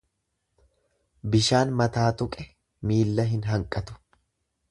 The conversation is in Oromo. Bishaan mataa tuqe miilla hin hanqatu.